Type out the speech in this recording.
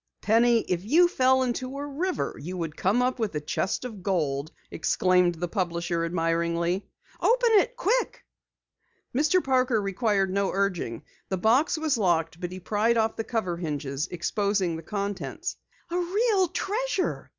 "Penny, if you fell into a river you would come up with a chest of gold!" exclaimed the publisher admiringly. "Open it quick, Dad." Mr. Parker required no urging. The box was locked but he pried off the cover hinges, exposing the contents. "A real treasure!"